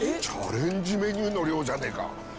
チャレンジメニューの量じゃねえか。